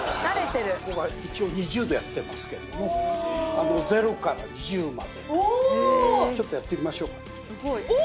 一応２０でやってますけど０から２０までちょっとやってみましょうかおお！